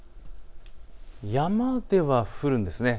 山では降るんですね。